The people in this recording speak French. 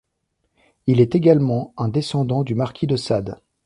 Il est également un descendant du marquis de Sade.